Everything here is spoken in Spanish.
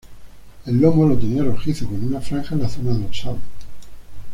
El lomo lo tenía rojizo con una franja en la zona dorsal.